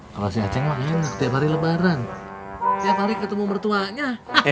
kalau si aceh ngomongin tiap hari lebaran tiap hari ketemu mertuanya